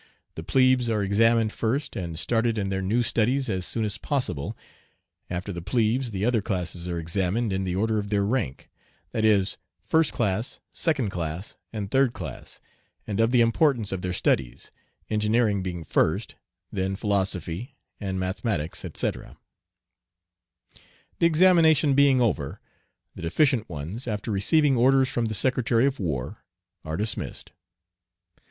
The plebes are examined first, and started in their new studies as soon as possible. After the plebes the other classes are examined in the order of their rank that is, first class, second class, and third class and of the importance of their studies, engineering being first, then philosophy, and mathematics, etc. The examination being over, the deficient ones, after receiving orders from the Secretary of War, are dismissed.